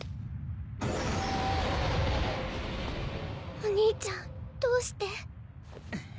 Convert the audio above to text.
お兄ちゃんどうして。